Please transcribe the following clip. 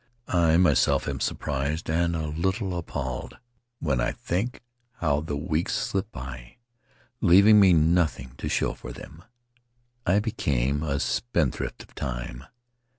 I, myself, am surprised and a little appalled when I think how the weeks slipped by, leav ing me nothing to show for them. I became a spend thrift of time.